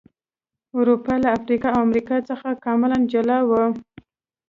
اروپا له افریقا او امریکا څخه کاملا جلا و.